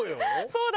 そうだ。